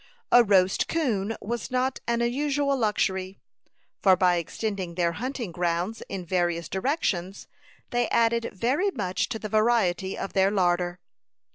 A roast coon was not an unusual luxury; for by extending their hunting grounds in various directions, they added very much to the variety of their larder.